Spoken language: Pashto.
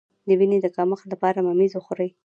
د وینې د کمښت لپاره ممیز وخورئ